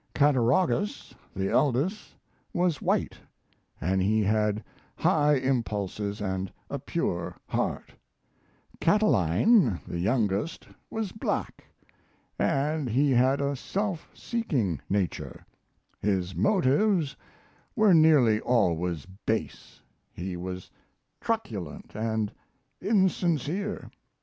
Cattaraugus, the eldest, was white, and he had high impulses and a pure heart; Catiline, the youngest, was black, and he had a self seeking nature, his motives were nearly always base, he was truculent and insincere.